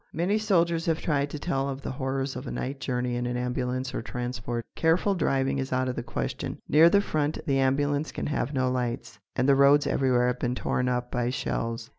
Many soldiers have tried to tell of the horrors of a night journey in an ambulance or transport; careful driving is out of the question. Near the front the ambulance can have no lights, and the roads everywhere have been torn up by shells.